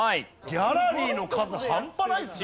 ギャラリーの数ハンパないっすね。